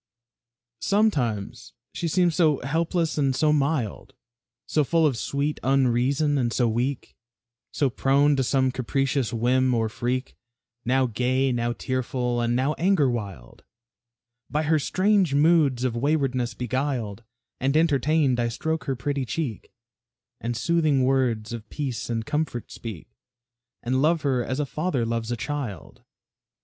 Sometimes she seems so helpless and so mild, So full of sweet unreason and so weak, So prone to some capricious whim or freak; Now gay, now tearful, and now anger wild, By her strange moods of waywardness beguiled And entertained, I stroke her pretty cheek, And soothing words of peace and comfort speak; And love her as a father loves a child.